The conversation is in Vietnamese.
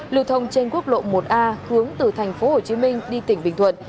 lưu thông trên quốc lộ một a hướng từ thành phố hồ chí minh đi tỉnh bình thuận